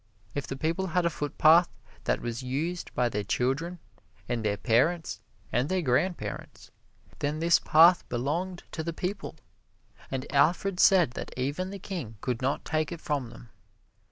If the people had a footpath that was used by their children and their parents and their grandparents, then this path belonged to the people, and Alfred said that even the King could not take it from them.